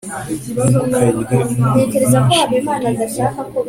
Ntimukarye umunyu mwinshi mwirinde